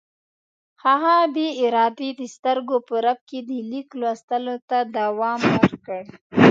هغه بې ارادې د سترګو په رپ کې د لیک لوستلو ته دوام ورکړ.